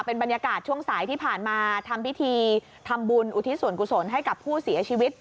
เป็นบรรยากาศช่วงสายที่ผ่านมาทำพิธีทำบุญอุทิศส่วนกุศลให้กับผู้เสียชีวิต